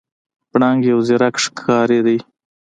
پړانګ یو زیرک ښکاری دی.